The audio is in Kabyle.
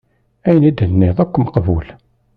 Ayen i d-tenniḍ akk meqbul.